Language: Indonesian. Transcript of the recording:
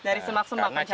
dari semak semak mencarinya